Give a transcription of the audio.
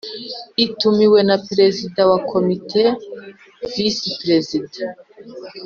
itumiwe na Perezida wa Komite Visi Prezida